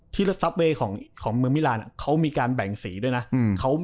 รถซับเวย์ของเมืองมิลานเขามีการแบ่งสีด้วยนะ